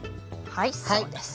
はいそうです。